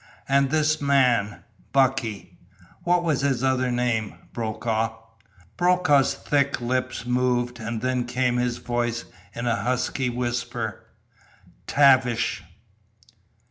"And this man Bucky; what was his other name, Brokaw?" Brokaw's thick lips moved, and then came his voice, in a husky whisper: "Tavish!"